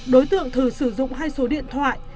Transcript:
đối tượng thử sử dụng hai số điện thoại